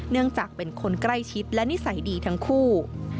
เนื่องจากเป็นคนใกล้ชิดและนิสัยดีทั้งคู่